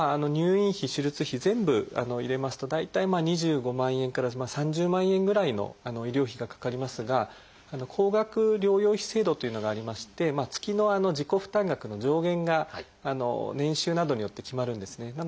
入院費手術費全部入れますと大体２５万円から３０万円ぐらいの医療費がかかりますが高額療養費制度というのがありまして月の自己負担額の上限が年収などによって決まるんですね。